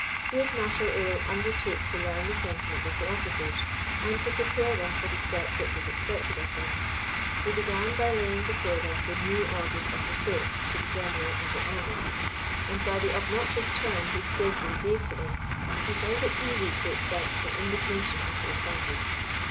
Field Marshal Illo undertook to learn the sentiments of the officers, and to prepare them for the step which was expected of them. He began by laying before them the new orders of the court to the general and the army; and by the obnoxious turn he skilfully gave to them, he found it easy to excite the indignation of the assembly.